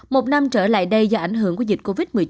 một năm trở lại đây do ảnh hưởng của dịch covid một mươi chín